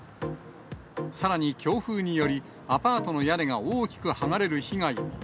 さらに強風により、アパートの屋根が大きく剥がれる被害も。